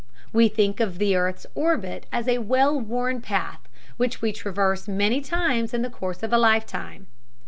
We think of the earth's orbit as a well worn path which we traverse many times in the course of a lifetime.